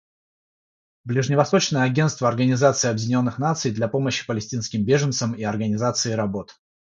Ближневосточное агентство Организации Объединенных Наций для помощи палестинским беженцам и организации работ.